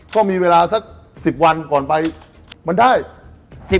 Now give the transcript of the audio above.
ก็มีเวลาสัก๑๐วันก่อนไปมันได้